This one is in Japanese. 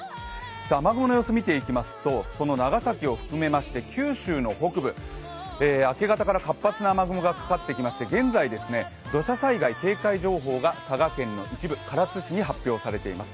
雨雲の様子を見ていきますと長崎を含めまして九州の北部、明け方から活発な雨雲がかかってきまして、現在、土砂災害警戒情報が佐賀県の一部唐津市に発表されています。